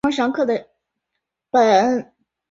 本休息区仅设于环状线方向。